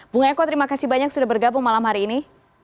bung eko terima kasih banyak sudah bergabung malam hari ini